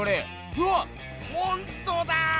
うわっほんとだ！